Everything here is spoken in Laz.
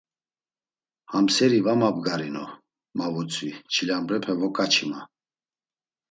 “Ham seri va mabgarinu.” ma vutzvi, “Çilambrepe voǩaçi” ma.